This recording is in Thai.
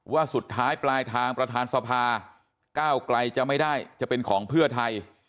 ว่าสุดท้ายปลายทางประธานสภาก้าวไกลจะไม่ได้จะเป็นของเพื่อไทย